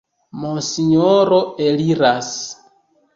Monsinjoro eliras!